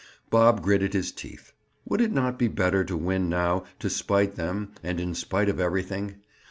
Bob gritted his teeth. Would it not be better to win now to spite them and in spite of everything?